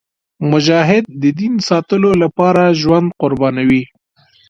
مجاهد د دین ساتلو لپاره ژوند قربانوي.